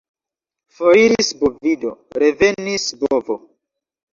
Foriris bovido, revenis bovo.